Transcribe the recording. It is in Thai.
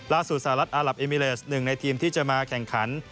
ล่าสู่สหรัฐอัลลับอิมิเลส๑ในทีมที่จะมาแข่งขัน